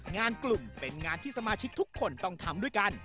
งานกลุ่มเป็นงานที่สมาชิกทุกคนต้องทำด้วยกัน